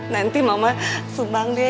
nanti mama sumbang deh